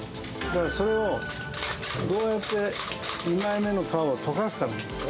それをどうやって２枚目の皮を溶かすかなんですよ